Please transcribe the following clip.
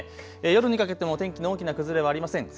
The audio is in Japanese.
夜にかけても天気の大きな崩れはありません。